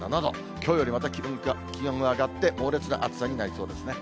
きょうよりまた気温が上がって猛烈な暑さになりそうですね。